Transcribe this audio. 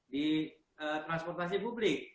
di transportasi publik